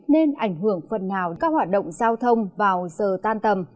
nên ảnh hưởng phần nào các hoạt động giao thông vào giờ tan tầm